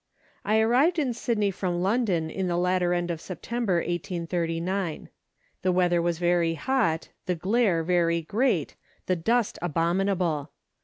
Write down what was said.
I arrived in Sydney from London in the latter end of September 1839. The weather was very hot, the glare very great, the dust abominable.